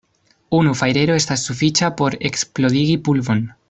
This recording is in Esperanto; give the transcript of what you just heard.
Unu fajrero estas sufiĉa, por eksplodigi pulvon.